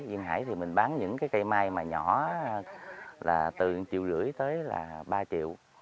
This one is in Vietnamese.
duyên hải thì mình bán những cái cây mai mà nhỏ là từ triệu rưỡi tới là ba triệu